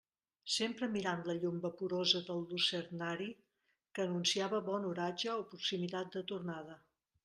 Sempre mirant la llum vaporosa del lucernari que anunciava bon oratge o proximitat de tronada.